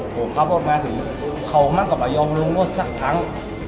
โฟมเลิกมาถึงเคราะห์มากกับไปย้อมลงรถสั้นครั้ง